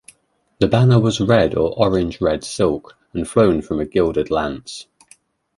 The banner was red or orange-red silk and flown from a gilded lance.